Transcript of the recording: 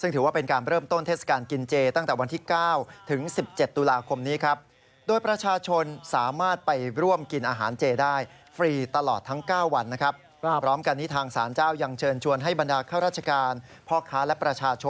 ซึ่งถือว่าเป็นการเริ่มต้นเทศกาลกินเจตั้งแต่วันที่๙ถึง๑๗ตุลาคมนี้ครับ